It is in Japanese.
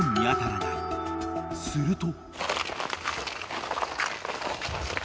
［すると］